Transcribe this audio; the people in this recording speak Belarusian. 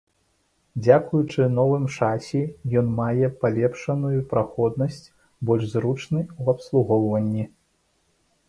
Дзякуючы новым шасі ён мае палепшаную праходнасць, больш зручны ў абслугоўванні.